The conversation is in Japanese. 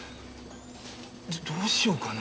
じゃあどうしようかな。